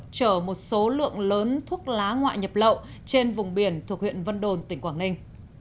chở một số lượng lớn thuốc lá ngoại nhập lậu trên vùng biển thuộc huyện vân đồn tỉnh quảng ninh